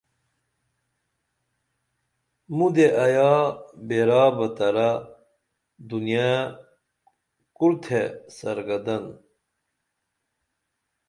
مودیہ ایا بیرہ بہ ترہ دنیا کُرتھے سرگردن